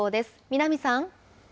南さん。